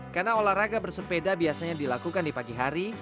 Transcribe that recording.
karena olahraga bersepeda biasanya dilakukan di pagi hari